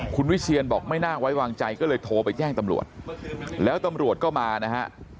คุณวิเชียนบอกไม่น่าไว้วางใจก็เลยโทรไปแจ้งตำรวจแล้วตำรวจก็มานะฮะ